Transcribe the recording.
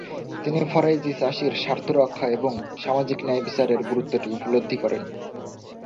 তিনি ফরায়েজি চাষীর স্বার্থরক্ষা এবং সামাজিক ন্যায়বিচারের গুরুত্বটি উপলব্ধি করেন।